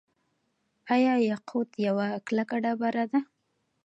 آیا یاقوت یوه کلکه ډبره ده؟